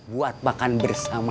buat makan bersama